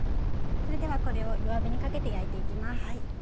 それではこれを弱火にかけて焼いていきます。